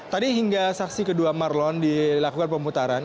tadi hingga saksi kedua marlon dilakukan pemutaran